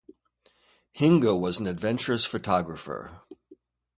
Hinge was an adventurous photographer.